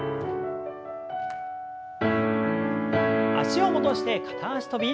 脚を戻して片脚跳び。